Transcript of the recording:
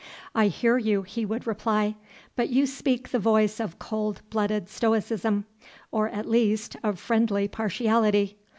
'I hear you,' he would reply; 'but you speak the voice of cold blooded stoicism, or, at least, of friendly partiality.